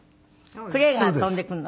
クレーが飛んでくるの？